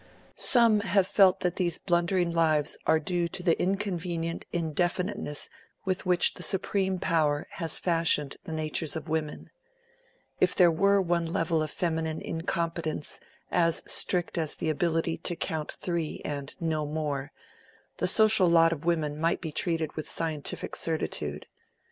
Some have felt that these blundering lives are due to the inconvenient indefiniteness with which the Supreme Power has fashioned the natures of women: if there were one level of feminine incompetence as strict as the ability to count three and no more, the social lot of women might be treated with scientific certitude.